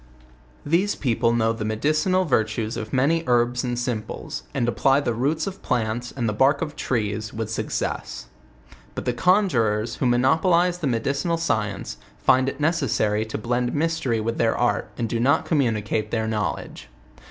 These people know the medicinal virtues of many herbs and simples, and apply the roots of plants and the bark of trees with success. But the conjurers, who monopolize the medical science, find it necessary to blend mystery with their art, and do not communicate their knowledge.